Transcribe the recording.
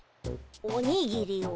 おにぎりを。